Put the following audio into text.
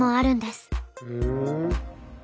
ふん。